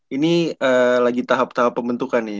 ini lagi tahap tahap pembentukan nih